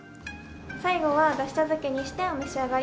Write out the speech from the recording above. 最後は出汁茶漬けにしてお召し上がり頂けます。